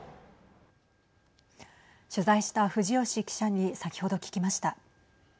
取材した藤吉記者に先ほど聞きました。